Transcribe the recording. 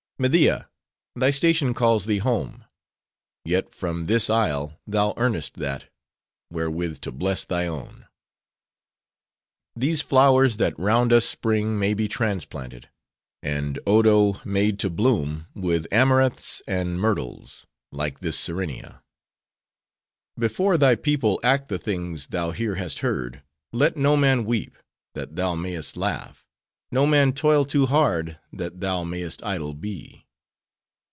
"Media! thy station calls thee home. Yet from this isle, thou earnest that, wherewith to bless thy own. These flowers, that round us spring, may be transplanted: and Odo made to bloom with amaranths and myrtles, like this Serenia. Before thy people act the things, thou here hast heard. Let no man weep, that thou may'st laugh; no man toil too hard, that thou may'st idle be.